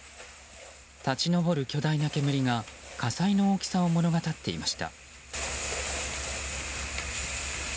立ち上る巨大な煙が火災の大きさを物語っていました。